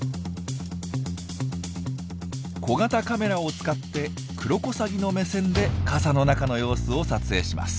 小型カメラを使ってクロコサギの目線で傘の中の様子を撮影します。